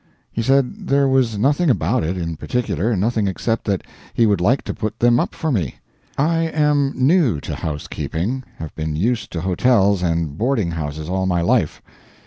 He said there was nothing about it, in particular nothing except that he would like to put them up for me. I am new to housekeeping; have been used to hotels and boarding houses all my life.